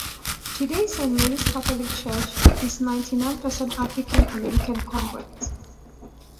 Today, Saint Mary's Catholic Church is ninety-nine percent African American congregants.